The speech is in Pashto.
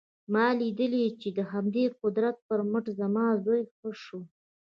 ما لیدلي چې د همدې قدرت پر مټ زما زوی ښه شو